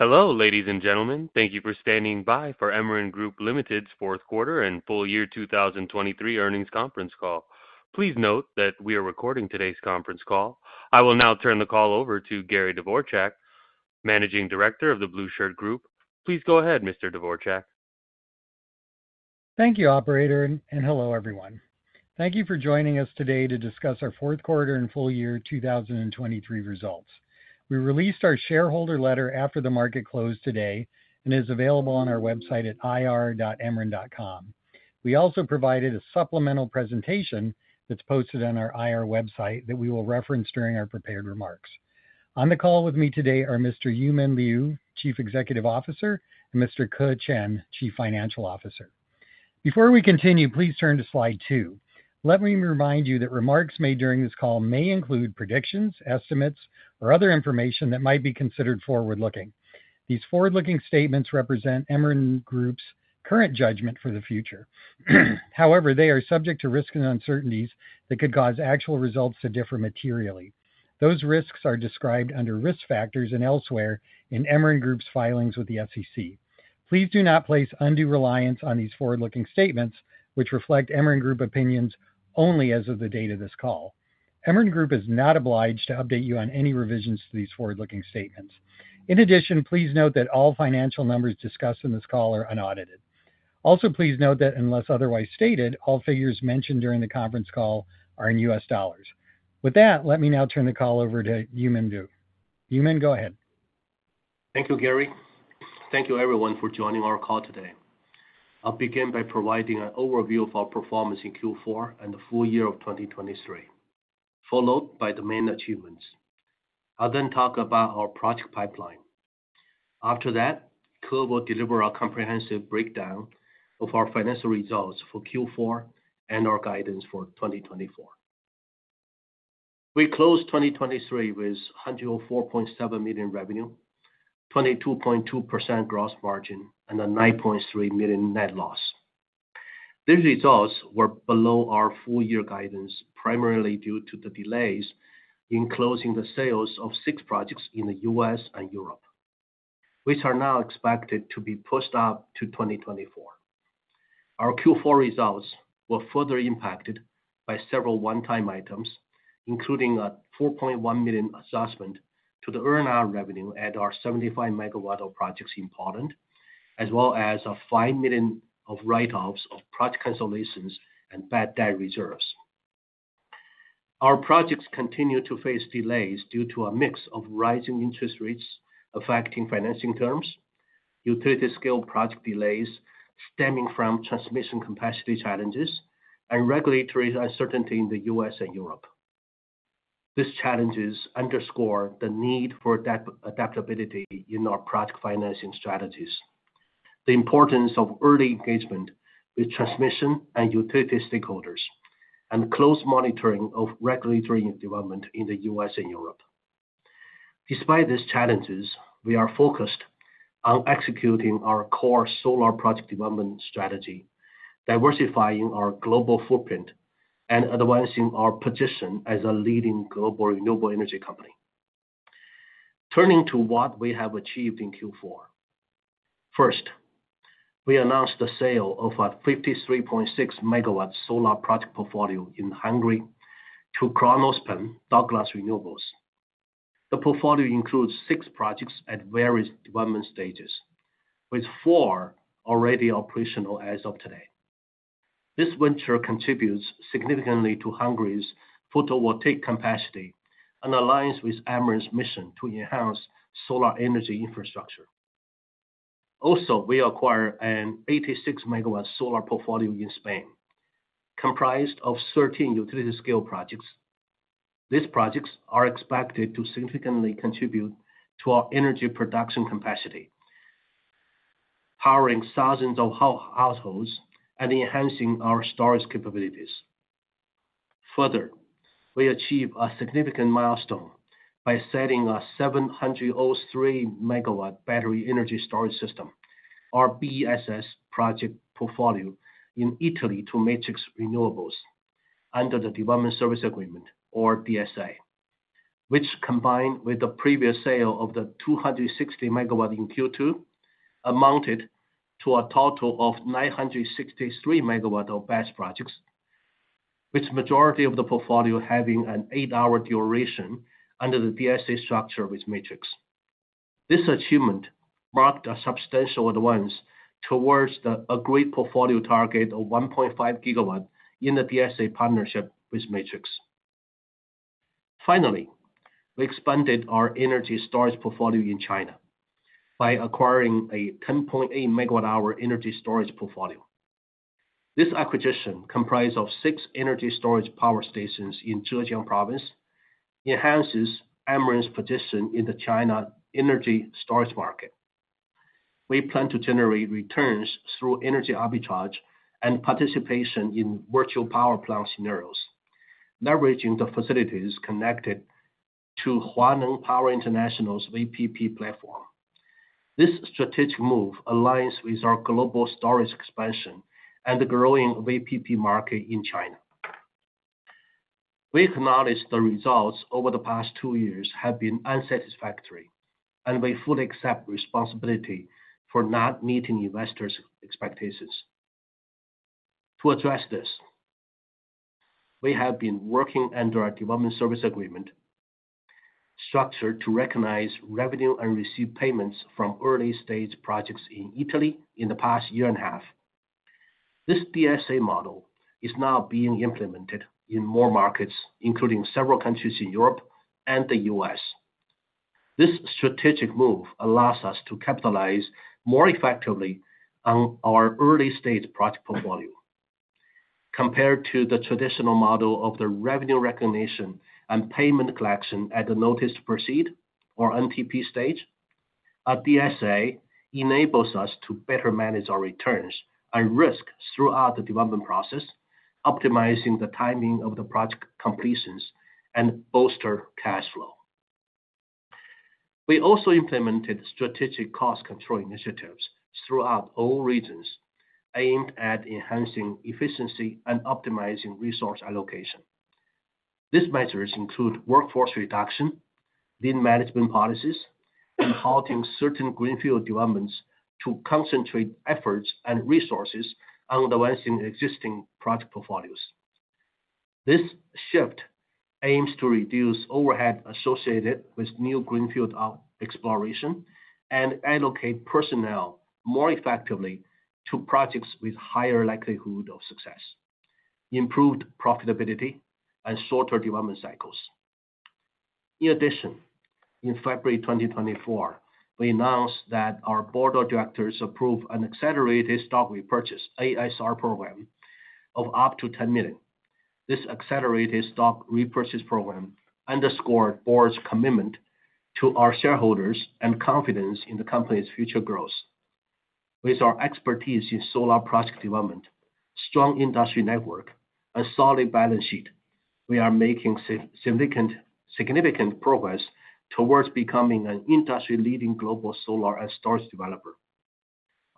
Hello, ladies and gentlemen. Thank you for standing by for Emeren Group Limited's fourth quarter and full year 2023 earnings conference call. Please note that we are recording today's conference call. I will now turn the call over to Gary Dvorchak, Managing Director of The Blueshirt Group. Please go ahead, Mr. Dvorchak. Thank you, Operator, and hello, everyone. Thank you for joining us today to discuss our fourth quarter and full year 2023 results. We released our shareholder letter after the market closed today and is available on our website at ir.emeren.com. We also provided a supplemental presentation that's posted on our IR website that we will reference during our prepared remarks. On the call with me today are Mr. Yumin Liu, Chief Executive Officer, and Mr. Ke Chen, Chief Financial Officer. Before we continue, please turn to slide two. Let me remind you that remarks made during this call may include predictions, estimates, or other information that might be considered forward-looking. These forward-looking statements represent Emeren Group's current judgment for the future. However, they are subject to risk and uncertainties that could cause actual results to differ materially. Those risks are described under risk factors and elsewhere in Emeren Group's filings with the SEC. Please do not place undue reliance on these forward-looking statements, which reflect Emeren Group opinions only as of the date of this call. Emeren Group is not obliged to update you on any revisions to these forward-looking statements. In addition, please note that all financial numbers discussed in this call are unaudited. Also, please note that unless otherwise stated, all figures mentioned during the conference call are in U.S. dollars. With that, let me now turn the call over to Yumin Liu. Yumin, go ahead. Thank you, Gary. Thank you, everyone, for joining our call today. I'll begin by providing an overview of our performance in Q4 and the full year of 2023, followed by the main achievements. I'll then talk about our project pipeline. After that, Ke will deliver a comprehensive breakdown of our financial results for Q4 and our guidance for 2024. We closed 2023 with $104.7 million revenue, 22.2% gross margin, and a $9.3 million net loss. These results were below our full year guidance, primarily due to the delays in closing the sales of six projects in the U.S. and Europe, which are now expected to be pushed up to 2024. Our Q4 results were further impacted by several one-time items, including a $4.1 million adjustment to the earnout revenue at our 75 MW projects in Poland, as well as a $5 million write-offs of project consolidations and bad debt reserves. Our projects continue to face delays due to a mix of rising interest rates affecting financing terms, utility-scale project delays stemming from transmission capacity challenges, and regulatory uncertainty in the U.S. and Europe. These challenges underscore the need for adaptability in our project financing strategies, the importance of early engagement with transmission and utility stakeholders, and close monitoring of regulatory development in the U.S. and Europe. Despite these challenges, we are focused on executing our core solar project development strategy, diversifying our global footprint, and advancing our position as a leading global renewable energy company. Turning to what we have achieved in Q4. First, we announced the sale of a 53.6 MW solar project portfolio in Hungary to Kronospan / Douglas Renewables. The portfolio includes six projects at various development stages, with four already operational as of today. This venture contributes significantly to Hungary's photovoltaic capacity and aligns with Emeren's mission to enhance solar energy infrastructure. Also, we acquired an 86 MW solar portfolio in Spain, comprised of 13 utility-scale projects. These projects are expected to significantly contribute to our energy production capacity, powering thousands of households and enhancing our storage capabilities. Further, we achieved a significant milestone by setting a 703 MW battery energy storage system, our BESS project portfolio, in Italy to Matrix Renewables under the Development Service Agreement, or DSA, which, combined with the previous sale of the 260 MW in Q2, amounted to a total of 963 MW of BESS projects, with the majority of the portfolio having an eight-hour duration under the DSA structure with Matrix. This achievement marked a substantial advance towards the agreed portfolio target of 1.5 GW in the DSA partnership with Matrix. Finally, we expanded our energy storage portfolio in China by acquiring a 10.8 MW-hour energy storage portfolio. This acquisition, comprised of six energy storage power stations in Zhejiang Province, enhances Emeren's position in the China energy storage market. We plan to generate returns through energy arbitrage and participation in virtual power plant scenarios, leveraging the facilities connected to Huaneng Power International's VPP platform. This strategic move aligns with our global storage expansion and the growing VPP market in China. We acknowledge the results over the past two years have been unsatisfactory, and we fully accept responsibility for not meeting investors' expectations. To address this, we have been working under our Development Service Agreement structure to recognize revenue and receive payments from early-stage projects in Italy in the past year and a half. This DSA model is now being implemented in more markets, including several countries in Europe and the U.S. This strategic move allows us to capitalize more effectively on our early-stage project portfolio. Compared to the traditional model of the revenue recognition and payment collection at the Notice to Proceed, or NTP, stage, a DSA enables us to better manage our returns and risk throughout the development process, optimizing the timing of the project completions and bolster cash flow. We also implemented strategic cost control initiatives throughout all regions aimed at enhancing efficiency and optimizing resource allocation. These measures include workforce reduction, lean management policies, and halting certain greenfield developments to concentrate efforts and resources on advancing existing project portfolios. This shift aims to reduce overhead associated with new greenfield exploration and allocate personnel more effectively to projects with higher likelihood of success, improved profitability, and shorter development cycles. In addition, in February 2024, we announced that our Board of Directors approved an accelerated stock repurchase, ASR, program of up to $10 million. This accelerated stock repurchase program underscored Board's commitment to our shareholders and confidence in the company's future growth. With our expertise in solar project development, strong industry network, and solid balance sheet, we are making significant progress towards becoming an industry-leading global solar and storage developer.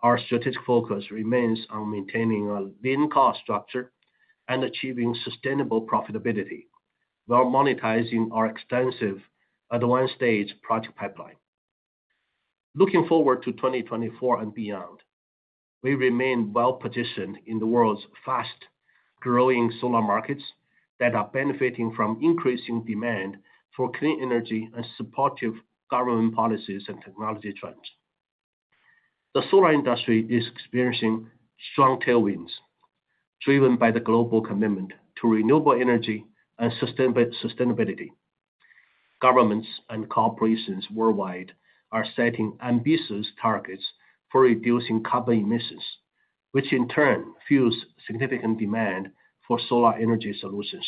Our strategic focus remains on maintaining a lean cost structure and achieving sustainable profitability while monetizing our extensive advanced-stage project pipeline. Looking forward to 2024 and beyond, we remain well-positioned in the world's fast-growing solar markets that are benefiting from increasing demand for clean energy and supportive government policies and technology trends. The solar industry is experiencing strong tailwinds driven by the global commitment to renewable energy and sustainability. Governments and corporations worldwide are setting ambitious targets for reducing carbon emissions, which in turn fuels significant demand for solar energy solutions.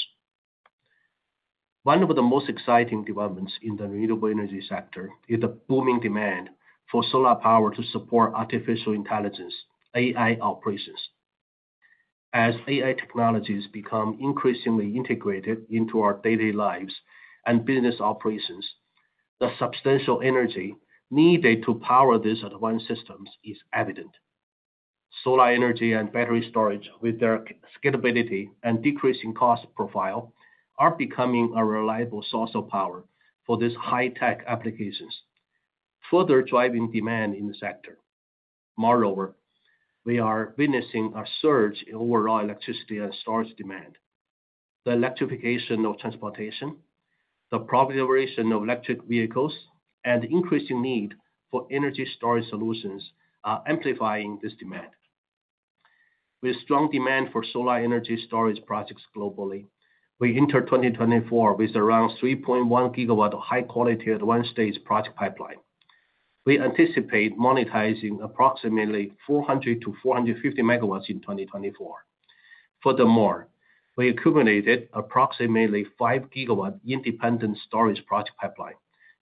One of the most exciting developments in the renewable energy sector is the booming demand for solar power to support artificial intelligence, AI, operations. As AI technologies become increasingly integrated into our daily lives and business operations, the substantial energy needed to power these advanced systems is evident. Solar energy and battery storage, with their scalability and decreasing cost profile, are becoming a reliable source of power for these high-tech applications, further driving demand in the sector. Moreover, we are witnessing a surge in overall electricity and storage demand. The electrification of transportation, the popularization of electric vehicles, and the increasing need for energy storage solutions are amplifying this demand. With strong demand for solar energy storage projects globally, we enter 2024 with around 3.1 GW of high-quality advanced-stage project pipeline. We anticipate monetizing approximately 400 MW-450 MW in 2024. Furthermore, we accumulated approximately 5 GW independent storage project pipeline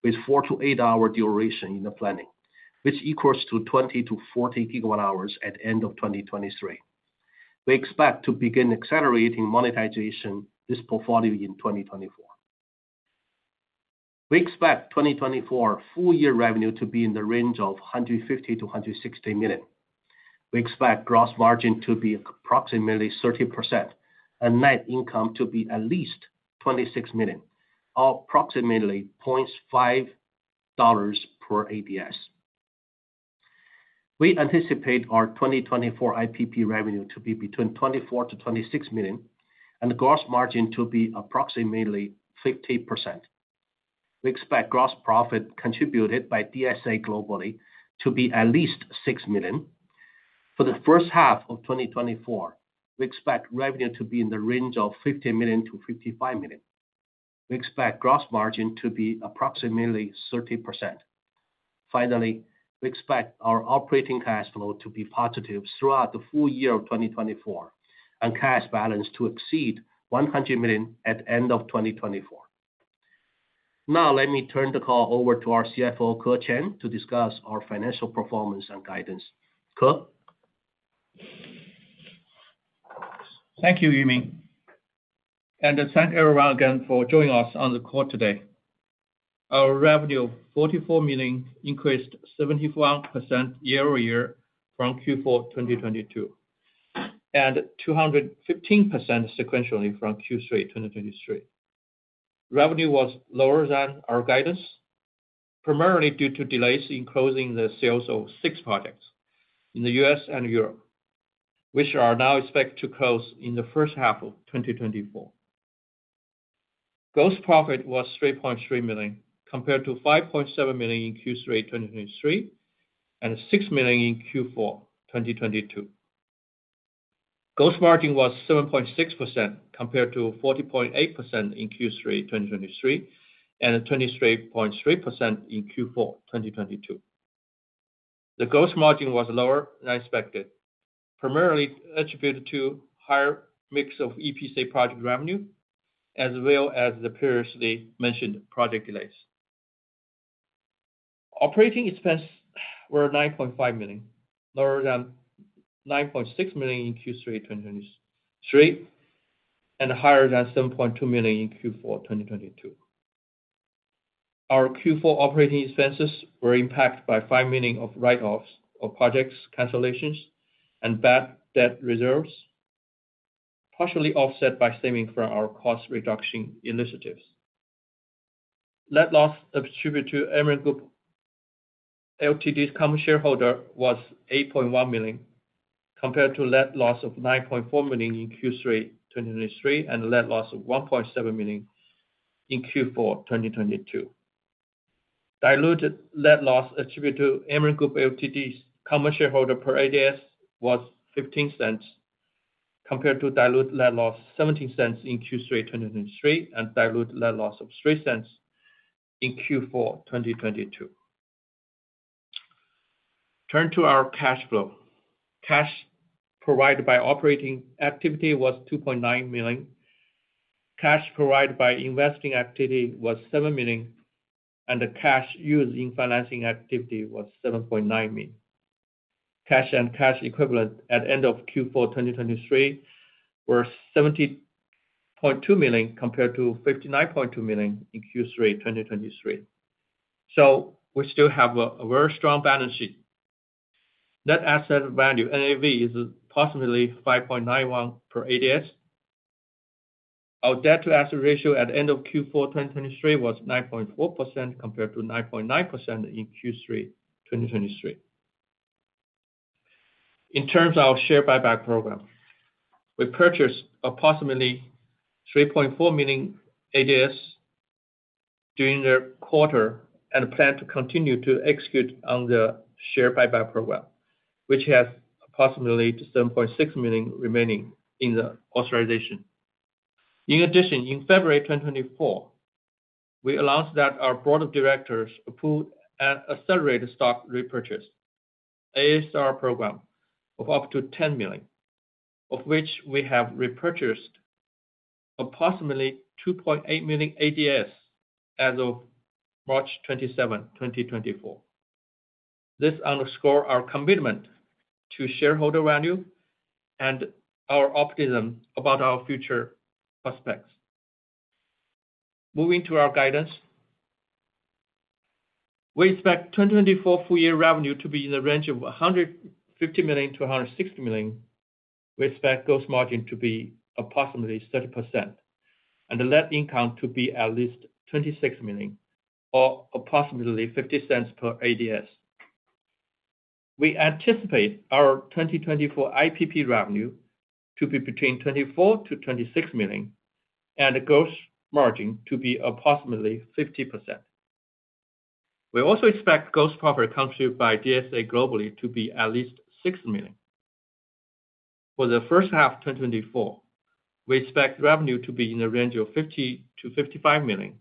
with four- to eight-hour duration in the planning, which equals to 20 GWh-40 GWh at the end of 2023. We expect to begin accelerating monetization of this portfolio in 2024. We expect 2024 full year revenue to be in the range of $150 million-$160 million. We expect gross margin to be approximately 30% and net income to be at least $26 million, or approximately $0.5 per ADS. We anticipate our 2024 IPP revenue to be between $24 million-$26 million and the gross margin to be approximately 50%. We expect gross profit contributed by DSA globally to be at least $6 million. For the first half of 2024, we expect revenue to be in the range of $50 million-$55 million. We expect gross margin to be approximately 30%. Finally, we expect our operating cash flow to be positive throughout the full year of 2024 and cash balance to exceed $100 million at the end of 2024. Now, let me turn the call over to our CFO, Ke Chen, to discuss our financial performance and guidance. Ke. Thank you, Yumin. Thank everyone again for joining us on the call today. Our revenue, $44 million, increased 71% year-over-year from Q4 2022 and 215% sequentially from Q3 2023. Revenue was lower than our guidance, primarily due to delays in closing the sales of six projects in the U.S. and Europe, which are now expected to close in the first half of 2024. Gross profit was $3.3 million compared to $5.7 million in Q3 2023 and $6 million in Q4 2022. Gross margin was 7.6% compared to 40.8% in Q3 2023 and 23.3% in Q4 2022. The gross margin was lower than expected, primarily attributed to a higher mix of EPC project revenue as well as the previously mentioned project delays. Operating expenses were $9.5 million, lower than $9.6 million in Q3 2023 and higher than $7.2 million in Q4 2022. Our Q4 operating expenses were impacted by $5 million of write-offs of projects cancellations and bad debt reserves, partially offset by savings from our cost reduction initiatives. Net loss attributed to Emeren Group Limited's common shareholder was $8.1 million compared to net loss of $9.4 million in Q3 2023 and net loss of $1.7 million in Q4 2022. Diluted net loss attributed to Emeren Group Ltd.'s common shareholder per ADS was $0.0015 compared to diluted net loss of $0.0017 in Q3 2023 and diluted net loss of $0.0003 in Q4 2022. Turn to our cash flow. Cash provided by operating activity was $2.9 million. Cash provided by investing activity was $7 million, and the cash used in financing activity was $7.9 million. Cash and cash equivalent at the end of Q4 2023 were $70.2 million compared to $59.2 million in Q3 2023. So we still have a very strong balance sheet. Net asset value, NAV, is approximately $5.91 per ADS. Our debt-to-asset ratio at the end of Q4 2023 was 9.4% compared to 9.9% in Q3 2023. In terms of our share buyback program, we purchased approximately $3.4 million ADS during the quarter and plan to continue to execute on the share buyback program, which has approximately $7.6 million remaining in the authorization. In addition, in February 2024, we announced that our Board of Directors approved an accelerated stock repurchase, ASR program, of up to 10 million, of which we have repurchased approximately $2.8 million ADS as of March 27, 2024. This underscores our commitment to shareholder value and our optimism about our future prospects. Moving to our guidance, we expect 2024 full year revenue to be in the range of $150 million-$160 million. We expect gross margin to be approximately 30% and the net income to be at least $26 million or approximately $0.50 per ADS. We anticipate our 2024 IPP revenue to be between $24 million-$26 million and the gross margin to be approximately 50%. We also expect gross profit contributed by DSA globally to be at least $6 million. For the first half of 2024, we expect revenue to be in the range of $50 million-$55 million.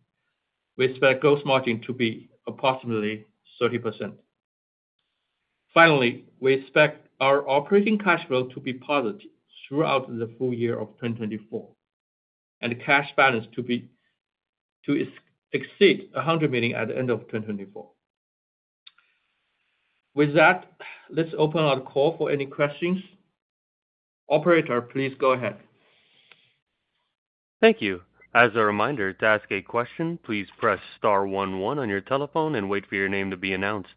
We expect gross margin to be approximately 30%. Finally, we expect our operating cash flow to be positive throughout the full year of 2024 and the cash balance to exceed $100 million at the end of 2024. With that, let's open our call for any questions. Operator, please go ahead. Thank you. As a reminder, to ask a question, please press star one one on your telephone and wait for your name to be announced.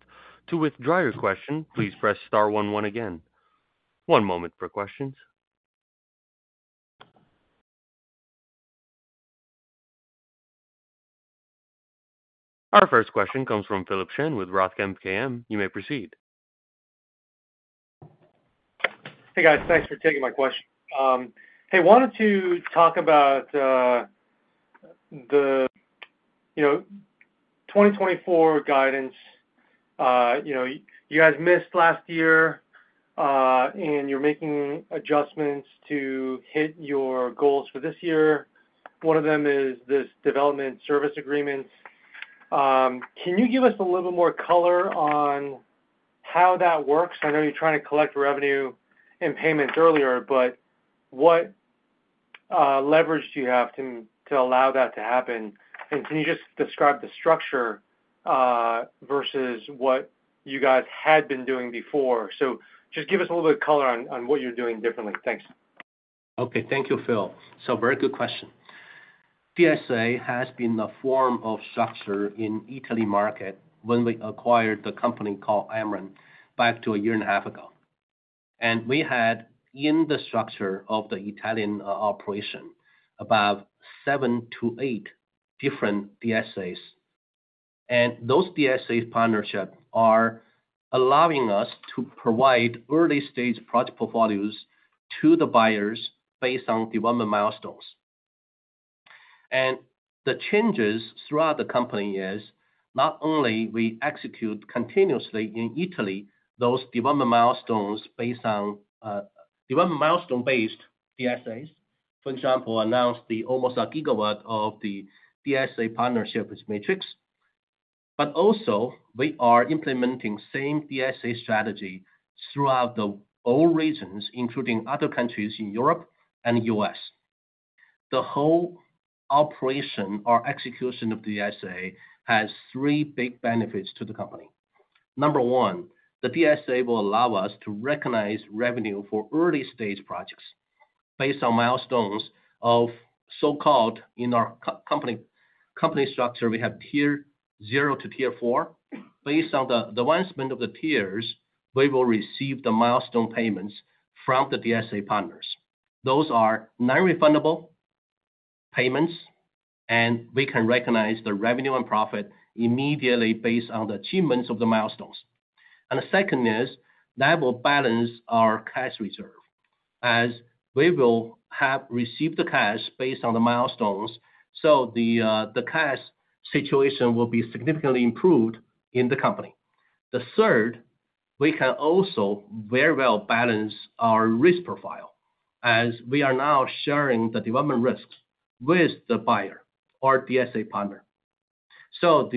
To withdraw your question, please press star one one again. One moment for questions. Our first question comes from Philip Shen with ROTH MKM. You may proceed. Hey, guys. Thanks for taking my question. Hey, I wanted to talk about the 2024 guidance. You guys missed last year, and you're making adjustments to hit your goals for this year. One of them is this Development Service Agreement. Can you give us a little bit more color on how that works? I know you're trying to collect revenue and payments earlier, but what leverage do you have to allow that to happen? And can you just describe the structure versus what you guys had been doing before? So just give us a little bit of color on what you're doing differently. Thanks. Okay. Thank you, Phil. So very good question. DSA has been a form of structure in the Italy market when we acquired the company called Emeren back to a year and a half ago. And we had, in the structure of the Italian operation, about seven to eight different DSAs. And those DSA partnerships are allowing us to provide early-stage project portfolios to the buyers based on development milestones. And the changes throughout the company is not only do we execute continuously in Italy those development milestones based on development milestone-based DSAs, for example, announced the almost a gigawatt of the DSA partnerships Matrix, but also we are implementing the same DSA strategy throughout all regions, including other countries in Europe and the U.S. The whole operation or execution of DSA has three big benefits to the company. One, the DSA will allow us to recognize revenue for early-stage projects based on milestones of so-called in our company structure, we have Tier 0 to Tier 4. Based on the advancement of the tiers, we will receive the milestone payments from the DSA partners. Those are non-refundable payments, and we can recognize the revenue and profit immediately based on the achievements of the milestones. The second is that will balance our cash reserve, as we will have received the cash based on the milestones, so the cash situation will be significantly improved in the company. The third, we can also very well balance our risk profile, as we are now sharing the development risks with the buyer or DSA partner. So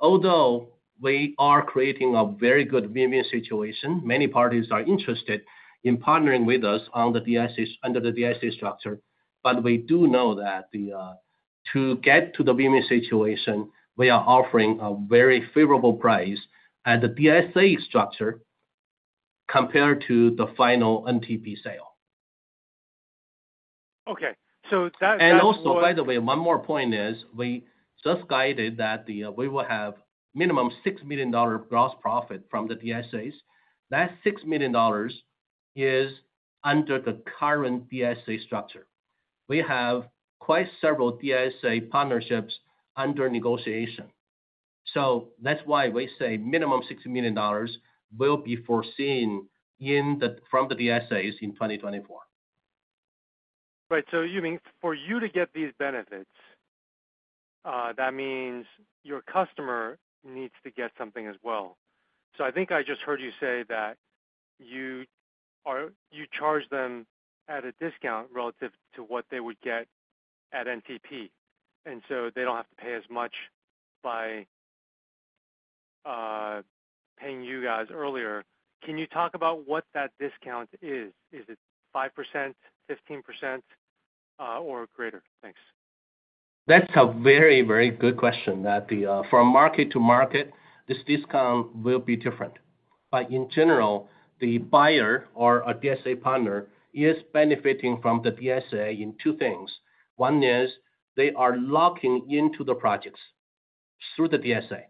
although we are creating a very good win-win situation, many parties are interested in partnering with us under the DSA structure, but we do know that to get to the win-win situation, we are offering a very favorable price at the DSA structure compared to the final NTP sale. Okay. So that. Also, by the way, one more point is we just guided that we will have minimum $6 million gross profit from the DSAs. That $6 million is under the current DSA structure. We have quite several DSA partnerships under negotiation. So that's why we say minimum $6 million will be foreseen from the DSAs in 2024. Right. So Yumin, for you to get these benefits, that means your customer needs to get something as well. So I just heard you say that you charge them at a discount relative to what they would get at NTP, and so they don't have to pay as much by paying you guys earlier. Can you talk about what that discount is? Is it 5%, 15%, or greater? Thanks. That's a very, very good question. From market to market, this discount will be different. But in general, the buyer or a DSA partner is benefiting from the DSA in two things. One is they are locking into the projects through the DSA,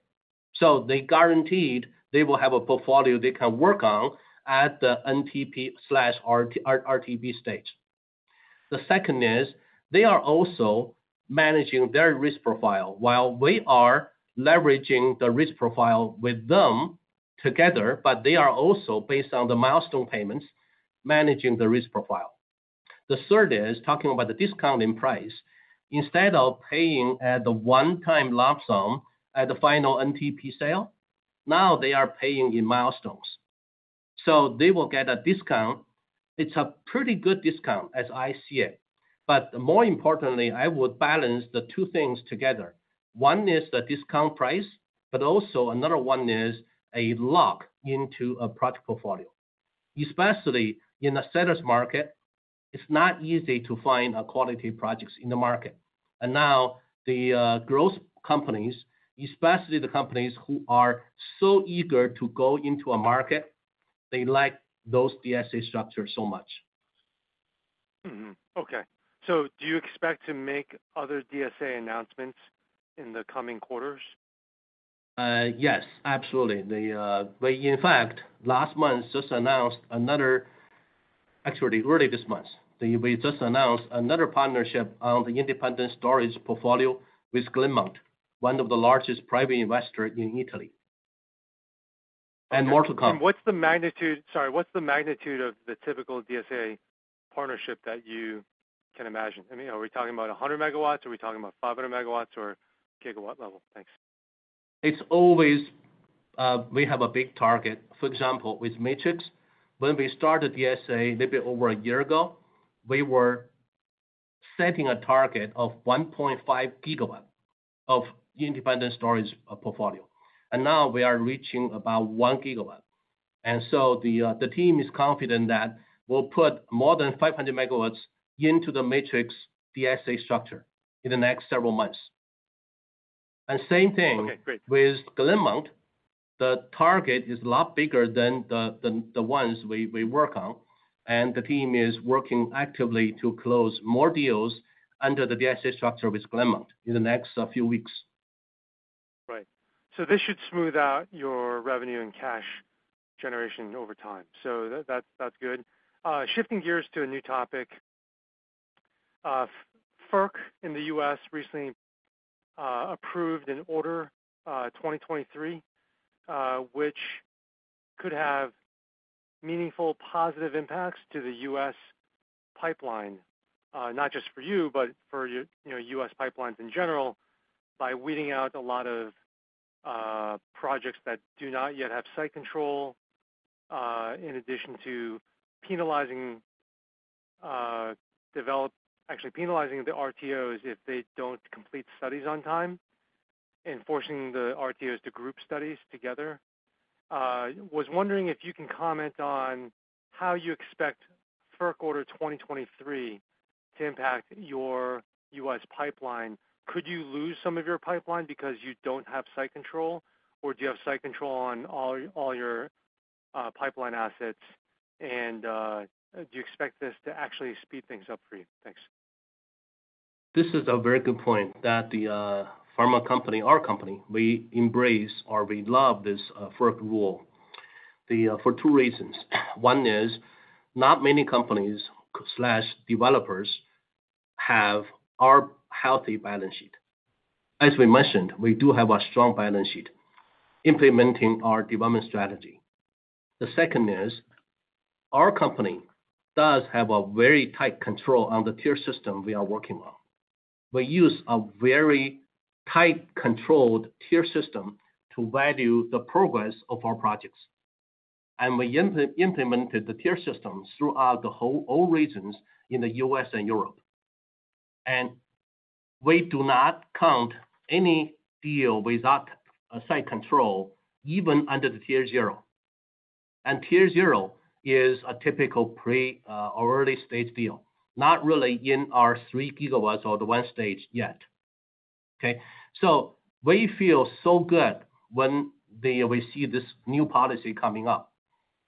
so they're guaranteed they will have a portfolio they can work on at the NTP/RTB stage. The second is they are also managing their risk profile while we are leveraging the risk profile with them together, but they are also, based on the milestone payments, managing the risk profile. The third is talking about the discount in price. Instead of paying at the one-time lump sum at the final NTP sale, now they are paying in milestones. So they will get a discount. It's a pretty good discount as I see it. But more importantly, I would balance the two things together. One is the discount price, but also another one is a lock into a project portfolio. Especially in the seller's market, it's not easy to find quality projects in the market. Now the growth companies, especially the companies who are so eager to go into a market, they like those DSA structures so much. Okay. So do you expect to make other DSA announcements in the coming quarters? Yes, absolutely. In fact, last month, just announced another actually, earlier this month, we just announced another partnership on the independent storage portfolio with Glenmont, one of the largest private investors in Italy, and more to come. What's the magnitude sorry, what's the magnitude of the typical DSA partnership that you can imagine? Are we talking about 100 MW, or are we talking about 500 MW, or GW level? Thanks. We have a big target. For example, with Matrix, when we started DSA a little bit over a year ago, we were setting a target of 1.5 GW of independent storage portfolio, and now we are reaching about 1 GW. And so the team is confident that we'll put more than 500 MW into the Matrix DSA structure in the next several months. And same thing with Glenmont, the target is a lot bigger than the ones we work on, and the team is working actively to close more deals under the DSA structure with Glenmont in the next few weeks. Right. So this should smooth out your revenue and cash generation over time. So that's good. Shifting gears to a new topic, FERC in the U.S. recently approved an Order No. 2023, which could have meaningful positive impacts to the U.S. pipeline, not just for you, but for U.S. pipelines in general, by weeding out a lot of projects that do not yet have site control, in addition to penalizing the RTOs if they don't complete studies on time and forcing the RTOs to group studies together. Was wondering if you can comment on how you expect FERC Order No. 2023 to impact your U.S. pipeline. Could you lose some of your pipeline because you don't have site control, or do you have site control on all your pipeline assets, and do you expect this to actually speed things up for you? Thanks. This is a very good point that our company, our company, we embrace or we love this FERC rule for two reasons. One is, not many companies/developers have our healthy balance sheet. As we mentioned, we do have a strong balance sheet implementing our development strategy. The second is our company does have a very tight control on the tier system we are working on. We use a very tight-controlled tier system to value the progress of our projects, and we implemented the tier system throughout all regions in the U.S. and Europe. And we do not count any deal without site control, even under the Tier 0. And Tier 0 is a typical pre or early-stage deal, not really in our 3 GW or the IPP stage yet. Okay? We feel so good when we see this new policy coming up,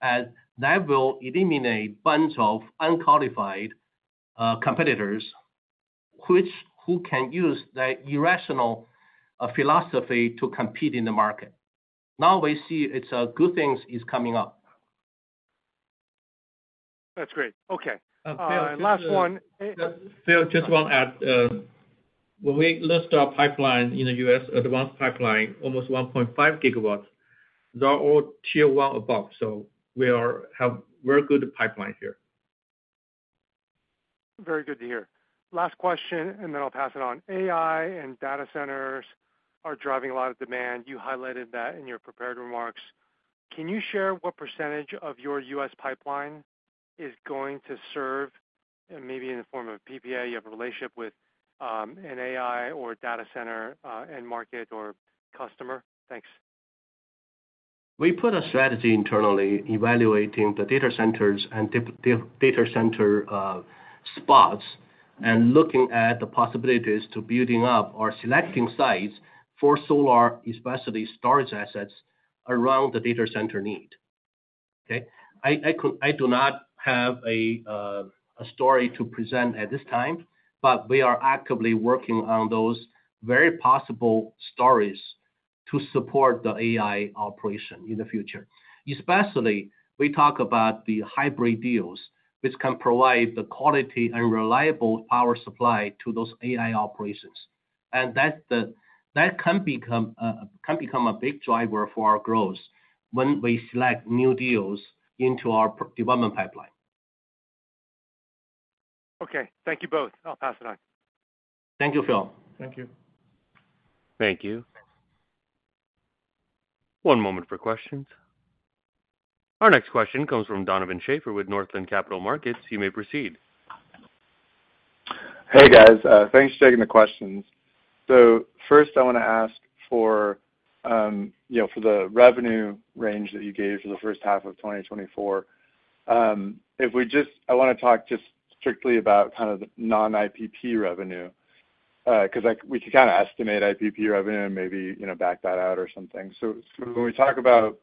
and that will eliminate a bunch of unqualified competitors who can use that irrational philosophy to compete in the market. Now we see good things are coming up. That's great. Okay. Last one. Phil, just want to add. When we list our pipeline in the U.S., advanced pipeline, almost 1.5 GW, they're all Tier 1 above, so we have a very good pipeline here. Very good to hear. Last question, and then I'll pass it on. AI and data centers are driving a lot of demand. You highlighted that in your prepared remarks. Can you share what percentage of your U.S. pipeline is going to serve, maybe in the form of PPA, you have a relationship with an AI or data center and market or customer? Thanks. We put a strategy internally, evaluating the data centers and data center spots and looking at the possibilities to building up or selecting sites for solar, especially storage assets, around the data center need. Okay? I do not have a story to present at this time, but we are actively working on those very possible stories to support the AI operation in the future. Especially, we talk about the hybrid deals, which can provide the quality and reliable power supply to those AI operations. That can become a big driver for our growth when we select new deals into our development pipeline. Okay. Thank you both. I'll pass it on. Thank you, Phil. Thank you. Thank you. One moment for questions. Our next question comes from Donovan Schafer with Northland Capital Markets. You may proceed. Hey, guys. Thanks for taking the questions. So first, I want to ask for the revenue range that you gave for the first half of 2024. I want to talk just strictly about kind of the non-IPP revenue because we could kind of estimate IPP revenue and maybe back that out or something. So when we talk about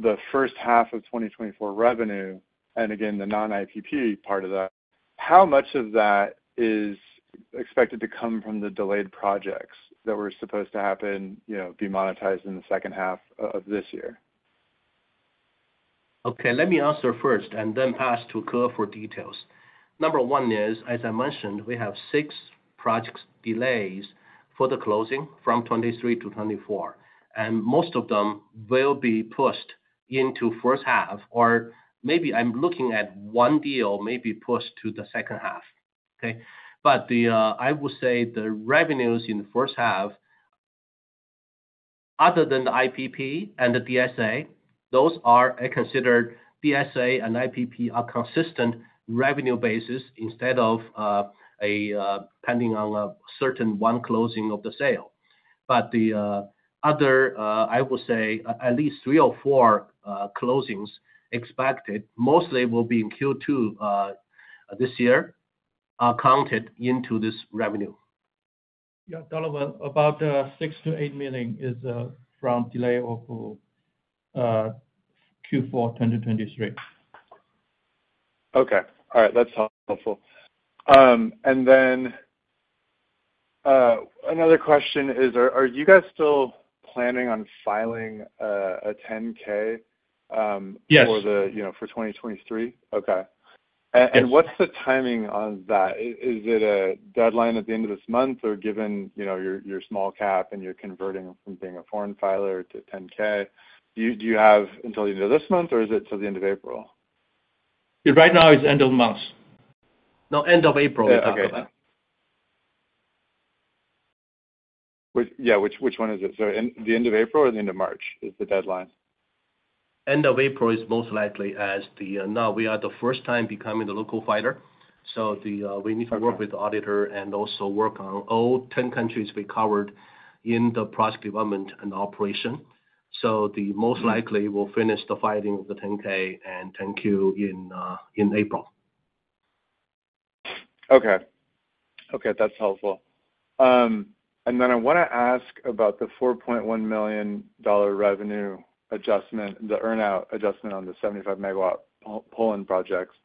the first half of 2024 revenue and, again, the non-IPP part of that, how much of that is expected to come from the delayed projects that were supposed to happen, be monetized in the second half of this year? Okay. Let me answer first and then pass to Ke for details. Number one is, as I mentioned, we have six project delays for the closing from 2023 to 2024, and most of them will be pushed into first half, or maybe I'm looking at one deal maybe pushed to the second half. Okay? But I would say the revenues in the first half, other than the IPP and the DSA, those are considered DSA and IPP are consistent revenue basis instead of depending on a certain one closing of the sale. But the other, I would say, at least three or four closings expected, mostly will be in Q2 this year, are counted into this revenue. Yeah. Donovan, about $6 million-$8 million is from delay of Q4 2023. Okay. All right. That's helpful. And then another question is, are you guys still planning on filing a 10-K for 2023? Yes. Okay. What's the timing on that? Is it a deadline at the end of this month, or given your small cap and you're converting from being a foreign filer to 10-K, do you have until the end of this month, or is it till the end of April? Right now, it's end of month. No, end of April. Yeah. Which one is it? So the end of April or the end of March is the deadline? End of April is most likely as of now, we are the first time becoming the local filer, so we need to work with the auditor and also work on all 10 countries we covered in the project development and operation. So most likely, we'll finish the filing of the 10-K and 10-Q in April. Okay. Okay. That's helpful. Then I want to ask about the $4.1 million revenue adjustment, the earnout adjustment on the 75-MW Poland projects.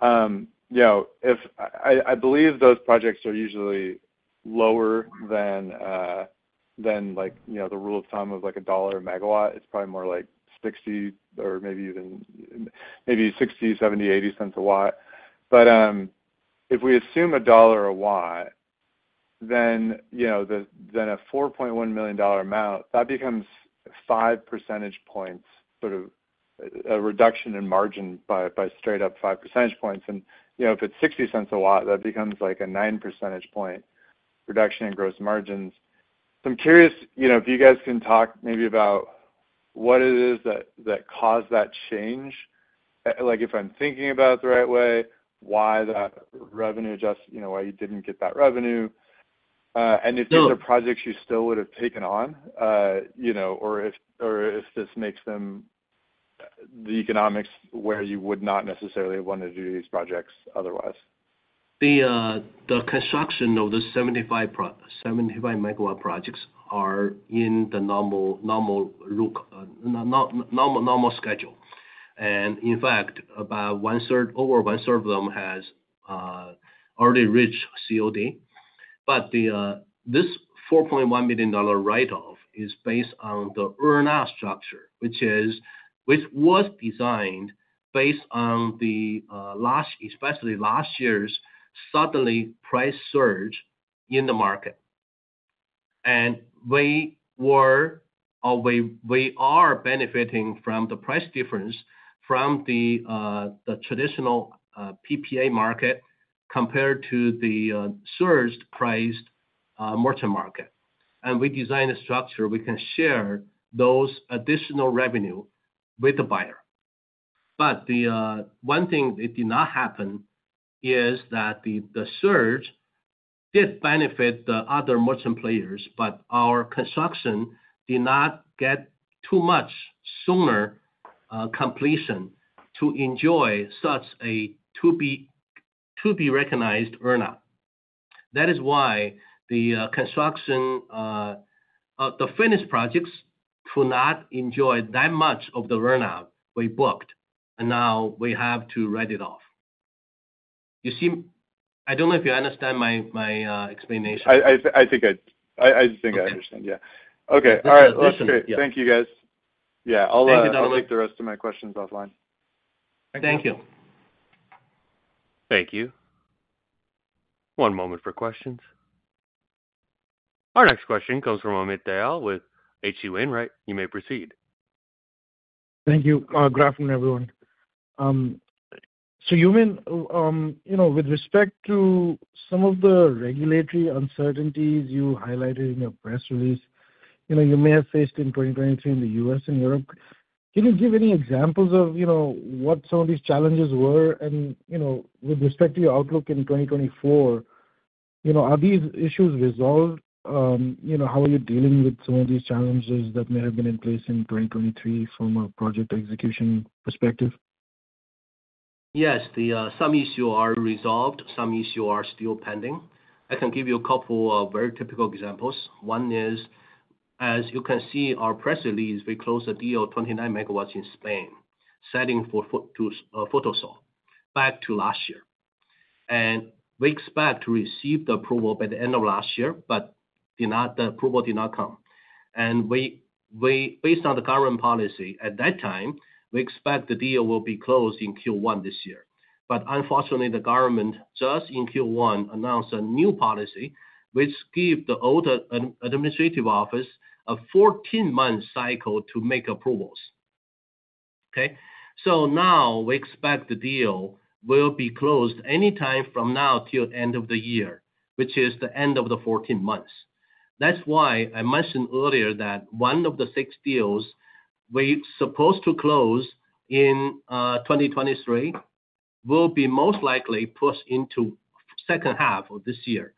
I believe those projects are usually lower than the rule of thumb of $1 per megawatt. It's probably more like $0.60 or maybe $0.60, $0.70, $0.80 a watt. But if we assume $1 a watt, then a $4.1 million amount, that becomes five percentage points, sort of a reduction in margin by straight-up five percentage points. And if it's $0.60 a watt, that becomes a nine percentage point reduction in gross margins. I'm curious if you guys can talk maybe about what it is that caused that change. If I'm thinking about it the right way, why that revenue adjustment, why you didn't get that revenue, and if these are projects you still would have taken on, or if this makes them the economics where you would not necessarily have wanted to do these projects otherwise? The construction of the 75-MW projects are in the normal schedule. In fact, over one-third of them has already reached COD. But this $4.1 million write-off is based on the earnout structure, which was designed based on the, especially last year's, sudden price surge in the market. We are benefiting from the price difference from the traditional PPA market compared to the surge-priced merchant market. We designed a structure we can share those additional revenue with the buyer. But one thing that did not happen is that the surge did benefit the other merchant players, but our construction did not get too much sooner completion to enjoy such a to-be-recognized earnout. That is why the finished projects could not enjoy that much of the earnout we booked, and now we have to write it off. I don't know if you understand my explanation. I think I understand. Yeah. Okay. All right. That's great. Thank you, guys. Yeah. I'll leave the rest of my questions offline. Thank you. Thank you. One moment for questions. Our next question comes from Amit Dayal with H.C. Wainwright. You may proceed. Thank you. Good afternoon, everyone. So Yumin, with respect to some of the regulatory uncertainties you highlighted in your press release, you may have faced in 2023 in the U.S. and Europe, can you give any examples of what some of these challenges were? And with respect to your outlook in 2024, are these issues resolved? How are you dealing with some of these challenges that may have been in place in 2023 from a project execution perspective? Yes. Some issues are resolved. Some issues are still pending. I can give you a couple of very typical examples. One is, as you can see in our press release, we closed a deal of 29 MW in Spain, sold to Photosol back in last year. We expect to receive the approval by the end of last year, but the approval did not come. Based on the government policy at that time, we expect the deal will be closed in Q1 this year. Unfortunately, the government just in Q1 announced a new policy, which gave the older administrative office a 14-month cycle to make approvals. Okay? Now, we expect the deal will be closed anytime from now till the end of the year, which is the end of the 14 months. That's why I mentioned earlier that one of the six deals we're supposed to close in 2023 will be most likely pushed into the second half of this year.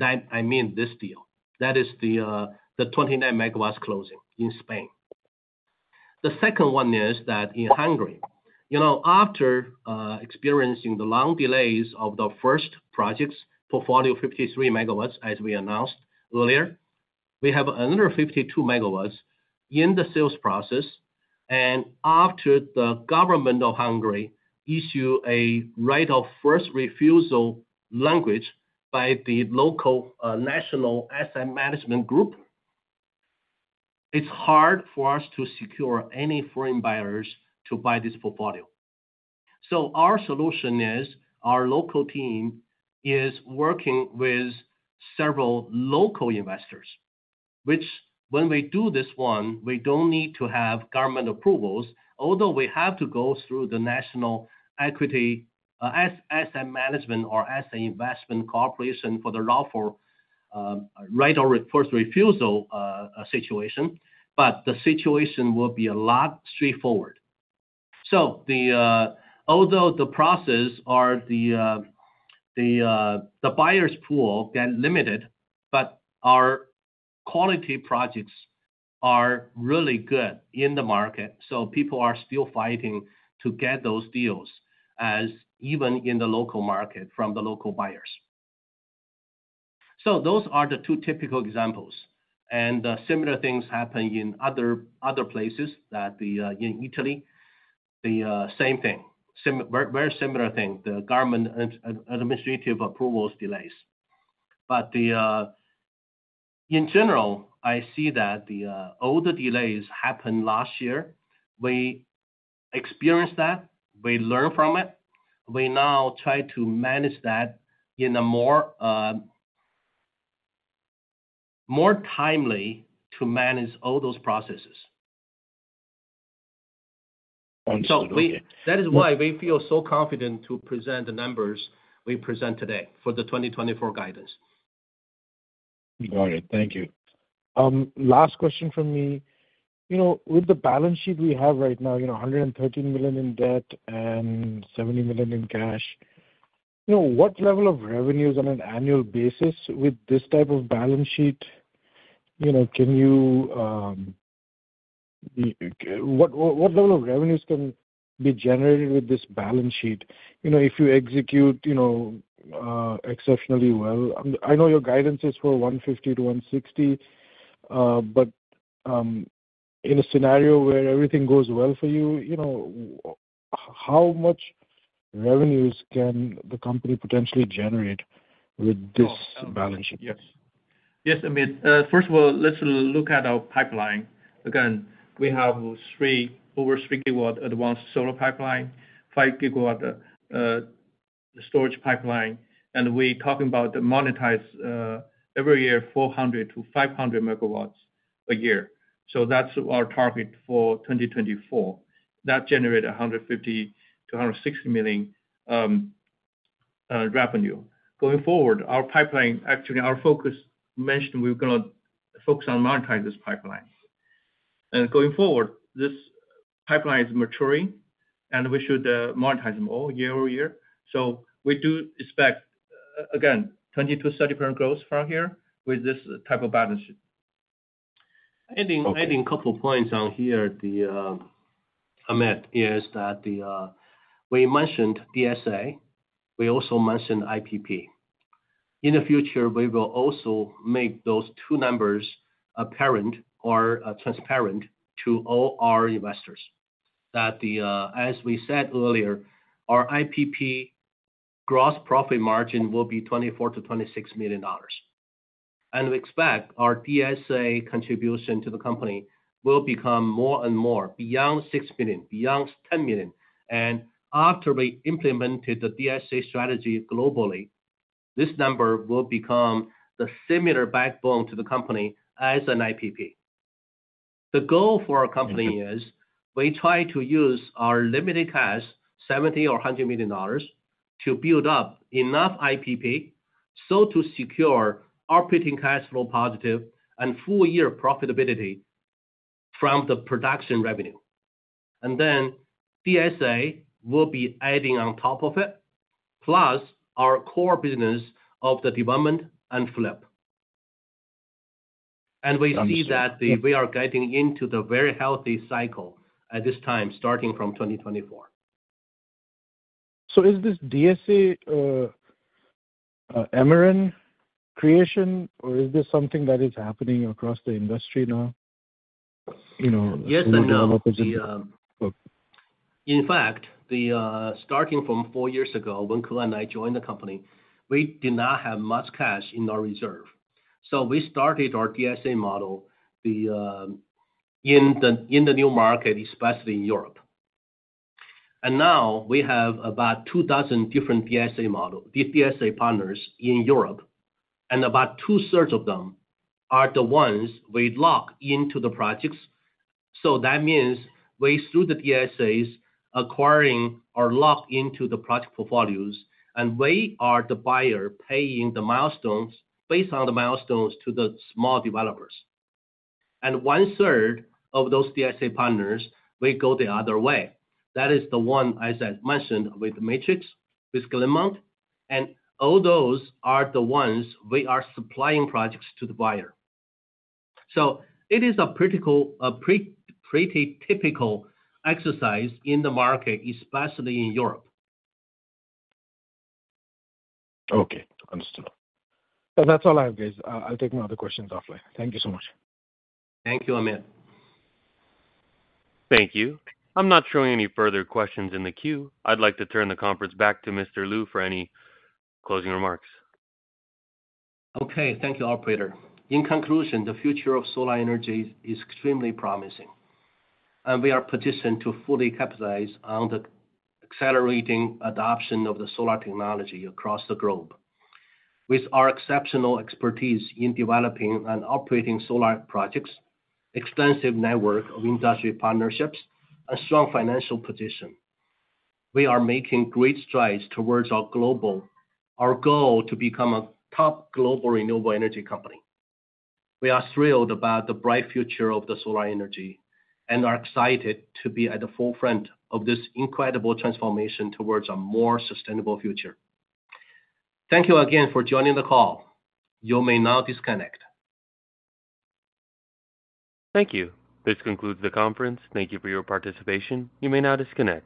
I mean this deal. That is the 29 MW closing in Spain. The second one is that in Hungary, after experiencing the long delays of the first project's portfolio, 53 MW, as we announced earlier, we have another 52 MW in the sales process. And after the government of Hungary issued a right-of-first-refusal language by the local national asset management group, it's hard for us to secure any foreign buyers to buy this portfolio. So our solution is our local team is working with several local investors, which when we do this one, we don't need to have government approvals, although we have to go through the national asset management or asset investment corporation for the right-of-first-refusal situation. But the situation will be a lot straightforward. So although the process or the buyer's pool get limited, but our quality projects are really good in the market, so people are still fighting to get those deals, even in the local market, from the local buyers. So those are the two typical examples. And similar things happen in other places, in Italy, the same thing, very similar thing, the government administrative approvals delays. But in general, I see that the older delays happened last year. We experienced that. We learned from it. We now try to manage that in a more timely way to manage all those processes. So that is why we feel so confident to present the numbers we present today for the 2024 guidance. Got it. Thank you. Last question from me. With the balance sheet we have right now, $113 million in debt and $70 million in cash, what level of revenues on an annual basis with this type of balance sheet can you what level of revenues can be generated with this balance sheet if you execute exceptionally well? I know your guidance is for $150 million-$160 million, but in a scenario where everything goes well for you, how much revenues can the company potentially generate with this balance sheet? Yes. Yes, Amit. First of all, let's look at our pipeline. Again, we have over 3 GW advanced solar pipeline, 5 GW storage pipeline, and we're talking about monetized every year 400 MW-500 MW a year. So that's our target for 2024. That generated $150 million-$160 million revenue. Going forward, actually, our focus mentioned we're going to focus on monetizing this pipeline. And going forward, this pipeline is maturing, and we should monetize them all year-over-year. So we do expect, again, 20%-30% growth from here with this type of balance sheet. Adding a couple of points on here, Amit, is that we mentioned DSA. We also mentioned IPP. In the future, we will also make those two numbers apparent or transparent to all our investors. As we said earlier, our IPP gross profit margin will be $24 million-$26 million. We expect our DSA contribution to the company will become more and more beyond $6 million, beyond $10 million. After we implemented the DSA strategy globally, this number will become the similar backbone to the company as an IPP. The goal for our company is we try to use our limited cash, $70 million or $100 million, to build up enough IPP so to secure operating cash flow positive and full-year profitability from the production revenue. Then DSA will be adding on top of it, plus our core business of the development and flip. We see that we are getting into the very healthy cycle at this time, starting from 2024. Is this DSA Emeren creation, or is this something that is happening across the industry now? Yes and no. In fact, starting from four years ago, when Ke and I joined the company, we did not have much cash in our reserve. So we started our DSA model in the new market, especially in Europe. And now, we have about 2,000 different DSA partners in Europe, and about two-thirds of them are the ones we lock into the projects. So that means we, through the DSAs, acquire or lock into the project portfolios, and we are the buyer paying the milestones based on the milestones to the small developers. And one-third of those DSA partners, we go the other way. That is the one, as I mentioned, with the Matrix, with Glenmont. And all those are the ones we are supplying projects to the buyer. So it is a pretty typical exercise in the market, especially in Europe. Okay. Understood. Yeah, that's all I have, guys. I'll take my other questions offline. Thank you so much. Thank you, Amit. Thank you. I'm not showing any further questions in the queue. I'd like to turn the conference back to Mr. Liu for any closing remarks. Okay. Thank you, operator. In conclusion, the future of solar energy is extremely promising, and we are positioned to fully capitalize on the accelerating adoption of the solar technology across the globe. With our exceptional expertise in developing and operating solar projects, extensive network of industry partnerships, and strong financial position, we are making great strides towards our goal to become a top global renewable energy company. We are thrilled about the bright future of the solar energy and are excited to be at the forefront of this incredible transformation towards a more sustainable future. Thank you again for joining the call. You may now disconnect. Thank you. This concludes the conference. Thank you for your participation. You may now disconnect.